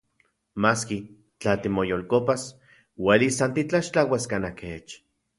Maski, tla timoyolkopas, uelis san titlaxtlauas kanaj kech.